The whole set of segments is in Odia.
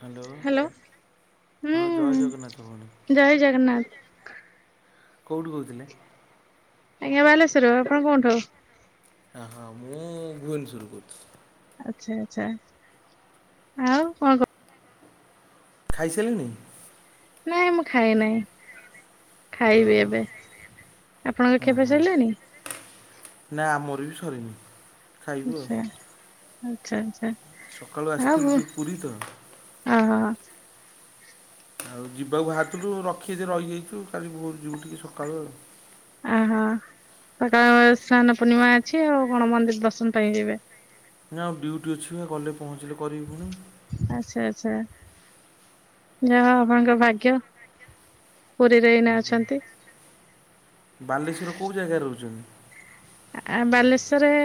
ହ୍ୟାଲୋ ହଁ ଜୟ ହୁଁ ଜଗନ୍ନାଥ ଭଉଣୀ ଜୟ ଜଗନ୍ନାଥ। କୋଉଠୁ କହୁଥିଲେ? ଆଜ୍ଞା ବାଲେଶ୍ୱର ଆପଣ କୋଉଠୁ? ଅ ହ ମୁଁ ଭୁବନେଶ୍ୱରୁ କହୁଥିଲି। ଆଚ୍ଛା ଆଚ୍ଛା ଆଉ କଣ କ ଖାଇସାଇଲେନି? ନାଇଁ ମୁଁ ଖାଇ ନାଇଁ। ଖାଇବି ଓହୋ ଏବେ ଆପଣଙ୍କ ହୁଁ ଖିଆ ପିଆ ହୁଁ ସରିଲାଣି? ନା ଆମର ବି ସରିନି। ଖାଇବୁ ଆଉ ଆଛା ଆଛା ଆଚ୍ଛା ସକାଳୁ ଆଉ ଆସିଥିଲୁ ବୁ ଟିକେ ପୁରୀ ତ ହ ହଁ। ଆଉ ଯିବାକୁ ବାହାରିଥିଲୁ ରଖିଦେ ରହିଯାଇଚୁ କାଲି ଭୋରୁ ଯିବୁ ଟିକେ ସକାଳୁ ଆଉ। ଅ ହ [inaudible] ସ୍ନାନ ପୂର୍ଣ୍ଣିମା ଅଛି ଆଉ କଣ ମନ୍ଦିର ଦର୍ଶନ ପାଇଁ ଯିବେ। ନା ଆଉ ଡ୍ୟୁଟି ଅଛିବା ଗଲେ ପହଞ୍ଚିଲେ କରିବି ଫୁଣି। ଆଛା ଆଛା। ଯାହା ହଉ ଆପଣଙ୍କ ଭାଗ୍ୟ ପୁରୀରେ ଏଇନା ଅଛନ୍ତି। ବାଲେଶ୍ୱର କୋଉ ଜାଗାରେ ରହୁଛନ୍ତି? ଆ ବାଲେଶ୍ଵରରେ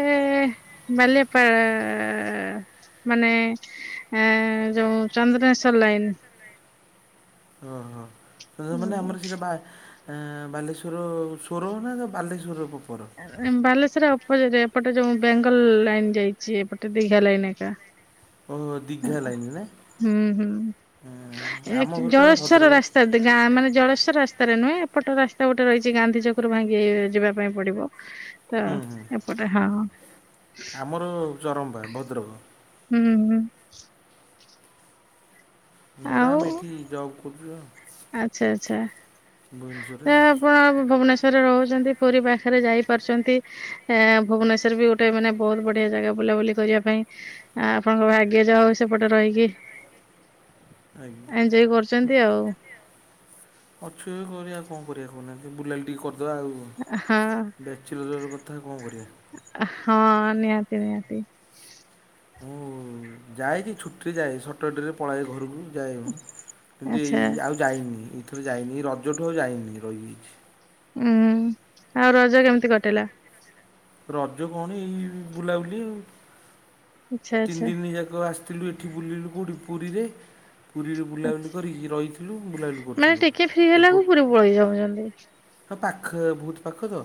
ବାଲିଆପାଳ ଅ ମାନେ ଏଁ ଯୋଉ ଚନ୍ଦ୍ରେଶ୍ଵର ଲାଇନ୍। ହଁ ହଁ। ମାନେ ଲାଇନ ଆମର ସେଇଟା ବା ବାଲେଶ୍ୱର ସ୍ୱର ନା ବାଲେଶ୍ୱର ପ୍ରପର? ବାଲେଶ୍ୱର ଅପୋରେ ଏପଟେ ଯୋଉ ବେଙ୍ଗଲ ଲାଇନ୍ ଯାଇଛି ଏପଟେ ଦିଘା ଲାଇନ୍ ଏକା। ଓହୋ ଦୀଘା ଲାଇନ ନାଇଁ। ହୁଁ ହୁଁ ଆମ ଘରଟା ବା ଜଳେସ୍ଵର ଭଦ୍ରକ। ରା ଗାଁ ମାନେ ଜଳେସ୍ୱର ରାସ୍ତାରେ ନୁହେଁ ଏପଟ ରାସ୍ତା ଗୋଟେ ରହିଛି ଗାନ୍ଧି ଛକରୁ ଭାଙ୍ଗି ଇ ଯିବା ପାଇଁ। ପଡିବ ତ ହୁଁ ଏପଟେ ହଁ ମୋର ଚରମ୍ପା ଭଦ୍ରକ ହୁଁ ହୁଁ। ଘରେ ଆଉ ଆମେ ଏଠି ଯବ କରଚୁ ଆଉ। ଭୁବନେଶ୍ୱରରେ ଜା ଆପ ଭୁବନେଶ୍ୱରରେ ରହୁଛନ୍ତି ପୁରୀ ପାଖରେ ଯାଇପାରୁଚନ୍ତି। ଏ ଭୁବନେଶ୍ଵର ବି ଗୋଟେ ମାନେ ବହୁତ ବଢିଆ ଜାଗା ବୁଲାବୁଲି କରିବା ପାଇଁ। ଆ ଆପଣଙ୍କ ଭାଗ୍ୟ ଯାହା ହଉ ସେପଟେ ରହିକି ଆଜ୍ଞା। ଏଞ୍ଜୟ କରୁଚନ୍ତି ଆଉ ଅଛୁ ଏବେ କରିବା କଣ କରିବା କହୁନାହାଁନ୍ତି ବୁଲାବୁଲି ଟିକେ କରିଦବା ଆଉ ହଁ। ବ୍ୟାଚଲରର କଥା ଆଉ କଣ କରିବା। ଅ ହଁ ନିହାତି ନିହାତି। ଯାଏଯେ ଛୁଟିରେ ଯାଏ ସଟରଡେରେ ପଳାଏ ଘରକୁ ଯାଏ କିନ୍ତୁ ଆଚ୍ଛା ଏଇ ଆଉ ଯାଇନି ଏଥରେ ଯାଇନି ରଜଠୁ ଆଉ ଯାଇନି ରହିିଯାଇଛି। ଉୁଁ ଆଉ ରଜ କେମିତି କଟିଲା? ରଜ କଣ ଏଇ ବୁଲାବୁଲି ଆଉ ଆଚ୍ଛା ତିନି ଆଚ୍ଛା ଦିନ ଯାକ ଆସିଥିଲୁ ଏଠି ବୁଲିଲୁ କଉଠି ପୁରୀରେ ପୁରୀରେ ବୁଲାବୁଲି ଆଛା କରିକି ରହିଥିଲୁ ବୁଲାବୁଲି ମାନେ କରୁଥିଲୁ ଟିକେ ଫ୍ରି ଏପ ହେଲାକୁ ପୁରୀ ପଳେଇ ଯାଉଛନ୍ତି ହଁ ପାଖ ବହୁତ ପାଖ ତ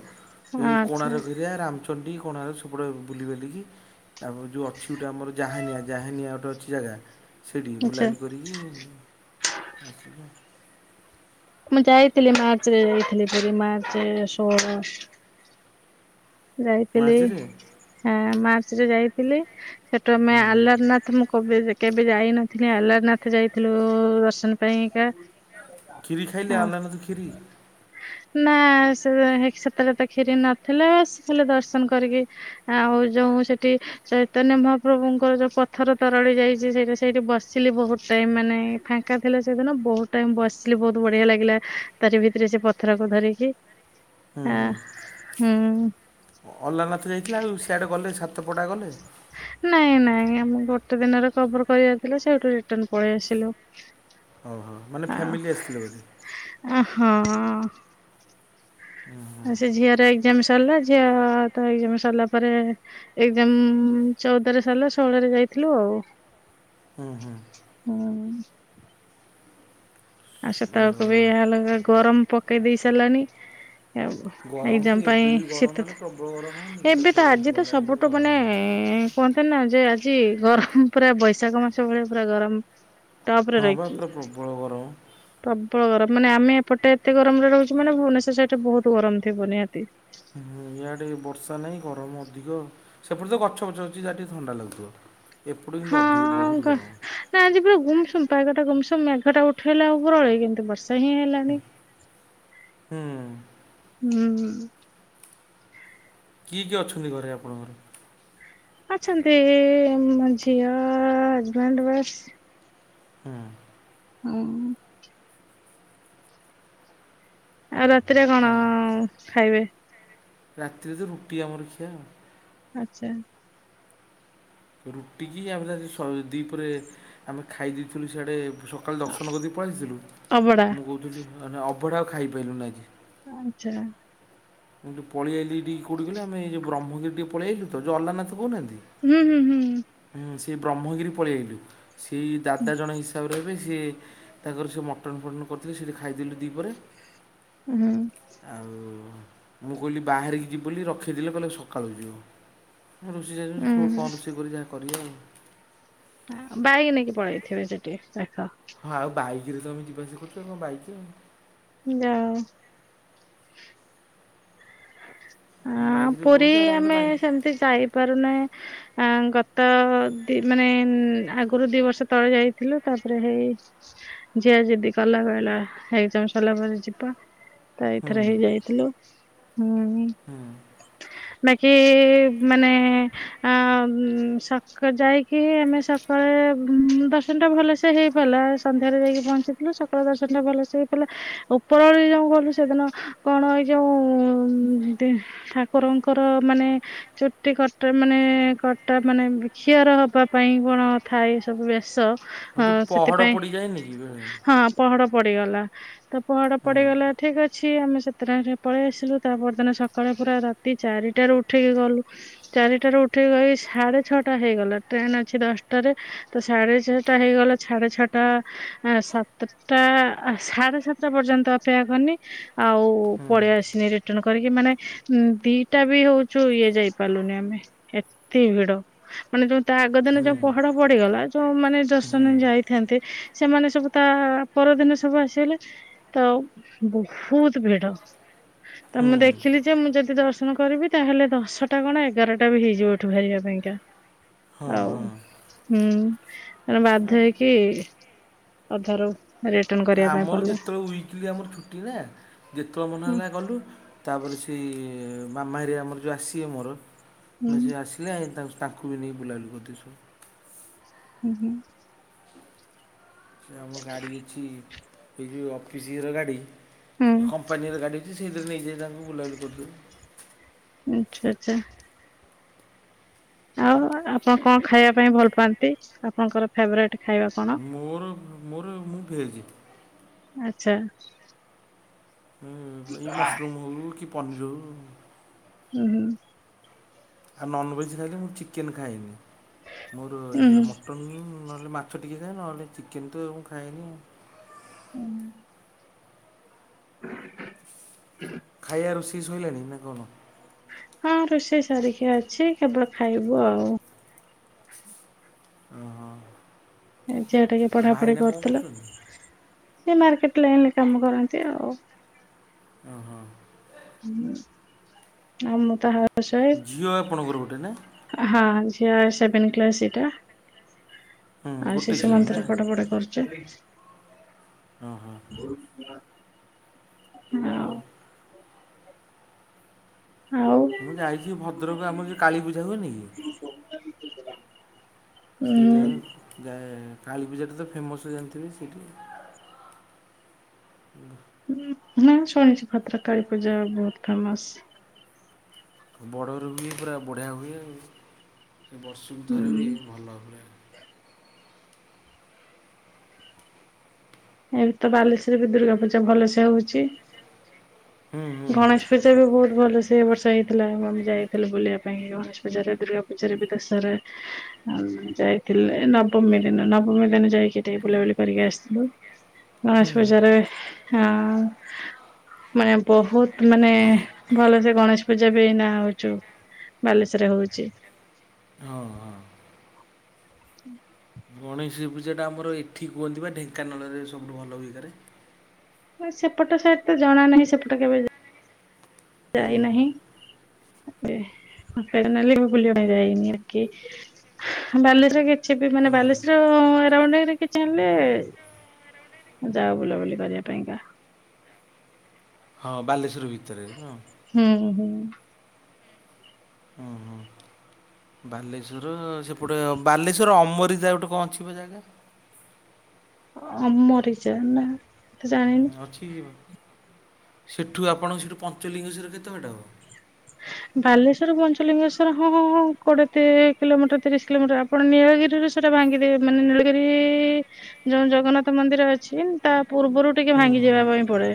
ହଁ ଏଇ ଆଚ୍ଛା କୋଣାର୍କ ଏରିଆ ରାମଚ ଚଣ୍ଡୀ କୋଣାର୍କ ସେପଟେ ବୁଲିିବାଲିକି ତାପରେ ଯଉ ଅଛି ଯଉଟା ଆମର ଜାହାନିଆ ଜାହାନିଆ ଗୋଟେ ଅଛି ଜାଗା ସେଇଠିକି ଆଚ୍ଛା। ବୁଲାବୁଲି କରିକି ହୁଁ। ମୁଁ ଯାଇଥିଲି ମାର୍ଚ୍ଚରେ ଯାଇଥିଲି ପୁରୀ ମାର୍ଚ୍ଚେ ଷୋଳ। ଯାଇଥିଲି, ମାର୍ଚ୍ଚରେ ହଁ ମାର୍ଚ୍ଚରେ ଯାଇଥିଲି ସେଠୁ ଆମେ ହୁଁ। ଆଲାରନାଥ ମୁଁ କବି କେବେ ଯାଇନଥିଲି ଆଲାରନାଥ ଯାଇ ଥିଲୁ ଦର୍ଶନ ପାଇଁକା। ଖିରି ଖାଇଲେ ଆ ଆଲାରନାଥ ଖିରି? ନା ସେ ସେତେଳତେ ଖିରି ନଥିଲେ, ସେ ଖାଲି ଦର୍ଶନ କରିକି ଆଉ ଯୋଉଁ ସେଠି ଚୈତନ୍ୟ ମହାପ୍ରଭୁଙ୍କର ଯୋଉ ପଥର ତରଳି ଯାଇଚି, ସେଇଟା ସେଇଠି ବସିଲି ବହୁତ ଟାଇମ ମାନେ ଫାଙ୍କ ଫାଙ୍କା ଥିଲା ସେଦିନ, ବହୁତ ଟାଇମ ବସିଲି ବହୁତ ବଢିଆ ଲାଗିଲା, ଆ ତାରି ଭିତରେ ସେ ପଥରକୁ ଧରିକି। [inaudible] ହଁ ହୁଁ। ଅଲାରନାଥ ଯାଇଥିଲେ ଆଉ ସିଆଡେ ଗଲେ ସାତ ସାତପଡ଼ା ଗଲେ? ନାଇଁ ନାଇଁ, ଆମକୁ ଗୋଟେ ଦିନରେ କଭର କରିବାର ଥିଲା ସେଇଠୁ ରିଟର୍ନ ପଳେଇ ଆସିଲୁ। ହଉ ହଉ। ମାନେ ଫ୍ୟାମିଲି ଆସିଥିଲେ ବୋଧେ? ଅ ହଁ। ହୁଁ ହୁଁ ଆଉ ସେ ଝିଅର ଏଗ୍ଜାମ ସରିଲା, ଝିଅର ତ ଏଗ୍ଜାମ ସରିଲା ପରେ ଏଗ୍ଜାମ ଚଉଦରେ ସରିଲା, ଷୋହଳରେ ଯାଇଥିଲୁ ଆଉ। ହୁଁ ହୁଁ ହୁଁ। ଆଉ ସେ ସେତବେଳକୁ ବି ଏହା ଲଗା ଗରମ ପକେଇ ଦେଇ ସାରିଲାଣି। ଆଉ ଗରମ ତ ଏଗ୍ଜାମ ଏବେ ପାଇଁ ବି ଗରମ ଶୀତ ମାନେ ତ, ପ୍ରବଳ ଗରମ ହେଉନି କି ଏବେ ତ ତଥାପି ଆଜି ତ ଗଲାଣି ବି ସବୁଠୁ ଗରମ ମାନେ ହେଉଛି କୁହନ୍ତି ନା ଯେ ଆଜି, ଗରମ ପୁରା ବୈଶାଖ ମାସ ଭଳିଆ ପୁରା ଗରମ। ଟପ ରେ ହଁ ବା ରହିଛି ପୁରା ପ୍ରବଳ ଗରମ। ପ୍ରବଳ ଗରମ। ମାନେ ଆମେ ଏପଟେ ଏତେ ଗରମରେ ରହୁଛୁ ମାନେ ଭୁବନେଶ୍ୱର ସାଇଟରେ ବହୁତ ଗରମ ଥିବ ନିହାତି। ଇଆଡେ ବି ବର୍ଷା ନାହିଁ ଗରମ ଅଧିକ। ସେପଟେ ତ ଗଛ ପଛ ଅଛି ଯାହା ଟିକେ ଥଣ୍ଡା ଲାଗୁଥିବ। ଏପଟେ କିନ୍ତୁ ଅଧିକ ହଁ ବହୁତ ଗ ଗରମ। ନା ଆଜି ପୁରା ଗୁମସୁମ, ପାଗଟା ଗୁମସୁମ ମେଘଟା ଉଠେଇଲା ଉପରଓଳି କିନ୍ତୁ ବର୍ଷା ହିଁ ହେଲାନି। ହୁଁ। ହୁଁ। କିଏ କିଏ ଅଛନ୍ତି ଘରେ ଆପଣଙ୍କର? ଅଛନ୍ତି, ଏ-ଏ-ଏଇ ମୋ ଝିଅ, ହଜବେଣ୍ଡ ବାସ। ହଁ। ହୁଁ। ଆଉ ରାତିରେ କଣ ଅ-ଅ ଖାଇବେ? ରାତିରେ ତ ରୁଟି ଆମର ଖିଆ ଆଉ। ଆଚ୍ଛା। ରୁଟି କିି ଆମର ଆଜି ସ ଦ୍ଵିପହରେ, ଆମେ ଖାଇ ଦେଇଥିଲୁ ସେଆଡ଼େ ସ ସକାଳେ ଦର୍ଶନ କରିଦେଇ ପଳାଇ ଆସିଥିଲୁ, ଅବଡା ମୁଁ କହୁଥିଲି ନା ଅବଢ଼ା ଆଉ ଖାଇପାଇଲୁନି ଆଜି। ଆଚ୍ଛା। ମୁଁ ଏଠୁ ପଳେଇ ଆଇଲି ଏଇଠି କୋଉଠିକି କହିଲେ, ଆମେ ଯୋଉ ବ୍ରହ୍ମଗିରି ଟିକେ ପଳେଇ ଆଇଲୁ ତ ଯୋଉ ଅଲାନନାଥ କହୁନାହାଁନ୍ତି? ହୁଁ-ହୁଁ-ହୁଁ। ହୁଁ, ସେ ବ୍ରହ୍ମଗିରି ପଳେଇ ଆଇଲୁ। ସେଇ ଦାଦା ଜଣେ ହିସା ହିସାବରେ ହେବେ, ସିଏ ତାଙ୍କର ସବୁ ମଟନ୍ ଫଟନ୍ କରିଥିଲେ, ସେଇଠି ଖାଇଦେଲୁ ଦ୍ଵିପହରେ ହୁଁ। ଆଉ ମୁଁ କହିଲି ବାହାରିକି ଯିବୁ ବୋଲି ରଖିଦେଲେ କହିଲେ ସକାଳୁକୁ ଯିବ। ମୁଁ ରୋଷେଇ ଜାଣିନି, ଉଁ କୁହ କଣ ରୋଷେଇ କରିବି, ଯାହା କରିବା ଆଉ? ଆ ବାଇକି ନେଇକି ପଳେଇ ଆଇଥିବେ ସେଠି ଦେଖ। ହଁ ଆଉ ବାଇକିରେ ତ ଆମେ ଯିବା ଆସିବା କରୁଛୁ, ଆଉ କଣ ବାଇକ ଆଉ। ଯାଅ। ଆ ବାଇକ୍ରେ ପୁରୀ ପଳଉଛି ଆରାମରେ ଆମେ ବାଇକ୍ ସେମିତି ଯାଇପାରୁନେ। ଆଁ ଗତ ଦି ମାନେ ଆଗରୁ ଦି ବର୍ଷ ତଳେ ଯାଇଥିଲୁ ତାପରେ ହେଇ ଝିଅ ଯିଦି କଲା କହିଲା ଏକ୍ଜାମ୍ ସରିଲା ପରେ ଯିବା। ତ ହୁଁ ଏଇଥର ହେଇ ଯାଇଥିଲୁ ହୁଁ। ହୁଁ। ବାକି ମାନେ ଆ ସକା ଯାଇକି ଆମେ ସକାଳେ ଦର୍ଶନ ଟା ଭଲସେ ହେଇପାରିଲା। ସନ୍ଧ୍ୟାରେ ଯାଇକି ପହଞ୍ଚିଥିଲୁ ସକାଳ ଦର୍ଶନ ଟା ଭଲସେ ହେଇଥିଲା ଉପରଓଳି ଯୋଉ ଗଲୁ ସେଦିନ କଣ ଏଇ ଯୋଉ ଠାକୁରଙ୍କର ମାନେ ଚୁଟି କଟା ମାନେ କଟା ମାନେ ଖିଅର ହବା ପାଇଁ କଣ ଥାଏ ସବୁ ବେଶ। ହଁ ଯୋଉ ପହଡ଼ ପଡ଼ିଯାଏନି କି [unintelligible] ପହଡ଼ ପଡ଼ିଗଲା ତ ପହଡ଼ ପଡ଼ିଗଲା ଠିକ୍ ଅଛି ଆମେ ସେତେଟାଇମ୍ ରେ ପଳେଇ ଆସିଲୁ। ତା ପରଦିନ ସକାଳେ ପୁରା ରାତି ଚାରିଟା ରେ ଉଠିକି ଗଲୁ। ଚାରିଟାରୁ ଉଠିକି [unintelligible] ସାଢ଼େ ଛଅଟା ହେଇଗଲା ଟ୍ରେନ୍ ଅଛି ଦଶଟାରେ। ତ ସାଢେ଼ ଛଅଟା ହେଇଗଲା ସାଢେ଼ ଛଅଟା ସାତଟା ସାଢେ଼ ସାତ [unintelligible] ପର୍ଯ୍ୟନ୍ତ ଅପେକ୍ଷା କଲି ଆଉ ହୁଁ ପଳେଇଆସିନି ରି ରିଟନ୍ କରିକି ମାନେ ଦିଟା ବି ହଉଛୁ ଇଏ ଯାଇପାରିଲୁନି ଆମେ। ଏତେ ଭିଡ଼। ମାନେ ଯୋଉ ତା ଆଗ ହୁଁ ଦିନ ହୁଁ ଯୋଉ ପହଡ଼ ପଡ଼ିଗଲା ଯୋଉମାନେ ହୁଁ ଦର୍ଶନ ରେ ଯାଇଥାନ୍ତେ ସେମାନେ ସବୁ ତା ପରଦିନ ସବୁ ଆସିଗଲେ ତ ବହୁତ୍ ଭିଡ଼। ତ ମୁଁ ହୁଁ ଦେଖିଲି ଯେ ମୁଁ ଯଦି ଦର୍ଶନ କରିବି ତାହେଲେ ଦଶଟା କଣ ଏଗାରଟା ବି ହେଇଯିବ ଏଠୁ ବାହାରିବା ପାଇଁ କା। ହଁ ଆଉ ହଁ ହୁଁ ତାପରେ ବାଧ୍ୟ ହେଇକି ଅଧାରୁ ରିଟର୍ଣ କରିବା ପାଇଁ ଆମର ପଡିଲା ଯେତେବେଳେ ୱିକିଲି ଆମର ଛୁଟି ନା ଯେତେବେଳେ ହୁଁ ମନହେଲା ଗଲୁ। ତାପରେ ସେ ମାମା ହେରିକା ଆମର ଯୋଉ ଆସିବେ ମୋର ହୁଁ ଆମେ ସେ ଆସିଲେ ତାଙ୍କ ତାଙ୍କୁ ବି ନେଇ ବୁଲାବୁଲି କରିଦେଇଛୁ। ହୁଁ ହୁଁ। ସେ ଆମ ଗାଡ଼ି ଅଛି ଏ ଯୋଉ ଅଫିସ୍ ର ଗାଡ଼ି ହୁଁ କମ୍ପାନୀର ଗାଡ଼ି ସେ ସେଇଥିରେ ନେଇଯାଇ ତାଙ୍କୁ ବୁଲାବୁଲି କରିଦେଲୁ। ଆଚ୍ଛା ଆଚ୍ଛା। ଆଉ ଆପଣ କଣ ଖାଇବା ପାଇଁ ଭଲ ପାଆନ୍ତି ଆପଣଙ୍କର ଫେଭରେଟ୍? ମୋର ମୋର ମୁଁ ଭେଜି ଆଚ୍ଛା। ଏଇ ମସରୁମ୍ ହଉ କି ପନିର୍ ହଉ ହୁଁ ହୁଁ। ଆଉ ନନଭେଜ୍ ଖାଇଲେ ମୁଁ ଚିକେନ୍ ଖାଏନି ମୋର ଉଁ ଇଏ ମ ମଟନ୍ ନହେଲେ ମାଛ ଟିକେ ଖାଏ ନହେଲେ ଚିକେନ୍ ତ ମୁଁ ଖାଏନି। ହୁଁ। ହ [inaudible] ଖାଇବା ରୋଷେଇ ସଇଲାଣି ନା କଣ? ହଁ ରୋଷେଇ ସାରିକି ଅଛି କେବଳ ଖାଇବୁ ଆଉ। ଓ ହୋ। ଝିଅ ଟିକେ ପଢ଼ାପଢ଼ି କରୁଥିଲା କରୁଛନ୍ତି ସେ ମାର୍କେଟ ଲାଇନ୍ ରେ କାମ କରନ୍ତି ଆଉ। ଓ ହୋ। ହୁଁ ଆଉ ମୁଁ ତା ହା ଝିଅ ଆପଣଙ୍କର ଗୋଟେ ନା? ହଁ ଝିଅ ସେଭେନ୍ କ୍ଲାସ୍ ଏଇଟା। ହୁଁ ଆଉ ଗୋଟେ ଶିଶୁ ଝିଅ ନା ମନ୍ଦିର ପଢ଼ାପଢ଼ି କରୁଛି। ହଁ ହଁ। ଆଉ। ଆଉ ମୁଁ ଯାଇଛି ଭଦ୍ରକ ଆମର ଯୋଉଁ କାଳୀପୂଜା ହୁଏନି କି। ସେଇ ଉଁ ଟାଇମ ଯାଏ କାଳୀପୂଜାଟା ତ ଫେମସ ହୁଏ। ଜାଣିଥିବେ ସେଇଠି। ହଁ ଶୁଣିଛି ଭଦ୍ରକ କାଳୀପୂଜା ବହୁତ ଫେମସ। ବଡରେ ହୁଏ ପୁରା ବଢିଆ ହୁଏ। ଆଉ ସେ ବର୍ଷକୁ ଥରେ ହୁଁ ହୁଏ ଭଲ ହୁଏ। ଏବେ ତ ବାଲେଶ୍ଵରରେ ବି ଦୁର୍ଗାପୂଜା ଭଲସେ ହଉଛି। ହୁଁ ହୁଁ ଗଣେଶ ପୂଜା ବି ବହୁତ ଭଲ ସେ ବର୍ଷ ହେଇଥିଲା। ଆମେ ଯାଇଥିଲୁ ବୁଲିବା ପାଇଁ। ଗଣେଶ ପୂଜାରେ ଦୁର୍ଗା ପୂଜାରେ ବି ଦଶହରା ଯାଇଥିଲେ ନବମୀ ଦିନ ନବମୀ ଦିନ ଯାଇକି ଟିକେ ବୁଲା ବୁଲି କରିକି ଆସିଥିଲୁ। ହୁଁ ଗଣେଶ ପୂଜାରେ ହଁ। ମାନେ ବହୁତ ମାନେ ଭଲସେ ଗଣେଶ ପୂଜା ବି ନା ହଉଛୁ। ବାଲେଶ୍ୱରେ ହଉଛି। ହଁ ହଁ। ଗଣେଶ ପୂଜାଟା ଆମର ଏଠି କୁହନ୍ତି ବା ଢେଙ୍କାନାଳରେ ସବୁଠୁ ଭଲ ହୋଇକାରେ। ସେପଟ ସାଇଟରେ ତ ଜଣା ନାହିଁ। ସେପଟ କେବେ ହୁଁ ଯାଇନାହିଁ ମ ନେଲେ ବୁଲିିବା ପାଇଁ ଯାଇନିକି। ବାଲେଶ୍ୱର କିଛି ବି ମାନେ ହୁଁ। ବାଲେଶର କିଛି ଆଣିଲେ। ଯାଉ ବୁଲାବୁଲି କରିବା ପାଇଁକା। ହଁ ବାଲେଶ୍ୱର ଭିତରେ ହଁ। ହୁଁ ହୁଁ। ହୁଁ ହୁଁ। ବାଲେଶ୍ୱର ସେପଟେ ବାଲେଶ୍ୱର ଅମରିଦା ଗୋଟେ କଣ ଅଛିି ପା ଜାଗା। ଅମରିଚା ନା ଜାଣିନି। ପଛିି ଯିବ ସେଠୁ ଆପଣଙ୍କ ସେଠୁ ପଞ୍ଚଲିଙ୍ଗେଶ୍ୱର କେତେ ବାଟ ହେବ। ବାଲେଶ୍ୱର ପଞ୍ଚଲିଙ୍ଗେଶ୍ଵର ହଁ କୋଡିଏ କିଲୋମିଟର ତିରିଶ କିଲୋମିଟର। ଆପଣ ନୀଳଗିରିରେ ସେଟା ଭାଙ୍ଗିଦେବେ। ମାନେ ନୀଳଗିରି ଯୋଉ ଜଗନ୍ନାଥ ମନ୍ଦିର ଅଛି। ତା ପୂର୍ବରୁ ଟିକେ ହୁଁ ଭାଙ୍ଗି ହୁଁ। ଯିବା ପାଇଁ ପଡେ।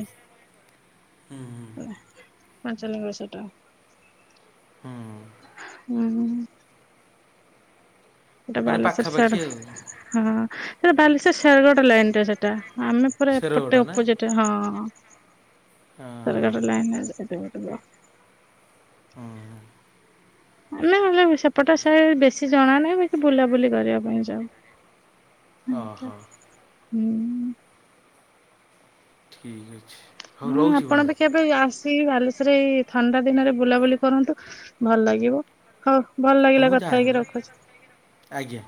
ହୁଁ ହୁଁ ହେ [unintelligible] ହୁଁ ହୁଁ। ସେଟା ମାନେ ବାଲେଶ୍ୱର ପାଖାପାଖି ସାର୍। ଆଉ। ହଁ ସେଟା ବାଲେଶ୍ଵର ଶରଗଡ ଲାଇନରେ ସେଟା। ଆମେ ପୁରା ଶେରଗଡ଼ ଏପଟେ ନା ଅପୋଜିଟ ହଁ ହଁ [unintelligible] ହଁ। ଆମେ ହେଲେ ସେପଟା ସେ ବେଶୀ ଜଣା ନାହିଁ। ବାକି ବୁଲାବୁଲି କରିବା ପାଇଁ ଯାଉ। ହଁ ହଁ ହୁଁ। ଠିକ୍ ଅଛି। ହଉ ହୁଁ ରହୁଛି ଆପଣ ଭଉଣୀ ପାଖେ ଆସିିକି ବାଲେଶ୍ୱରରେ ଏଇ ଥଣ୍ଡା ଦିନରେ ବୁଲାବୁଲି କରନ୍ତୁ। ଭଲ ଲାଗିବ। ହଉ ଭଲ ହଁ ଲାଗିଲା ମୁଁ କଥା ଯାଏ ହେଇକି ଏବେ ରଖୁଛୁ। ଆଜ୍ଞା।